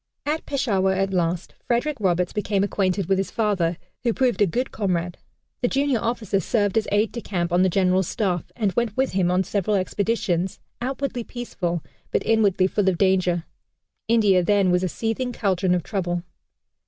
At Peshawar at last Frederick Roberts became acquainted with his father, who proved a good comrade. The junior officer served as aide de camp on the general's staff, and went with him on several expeditions, outwardly peaceful, but inwardly full of danger. India then was a seething caldron of trouble.